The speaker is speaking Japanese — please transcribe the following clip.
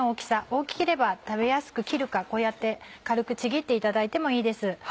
大きければ食べやすく切るかこうやって軽くちぎっていただいてもいいです。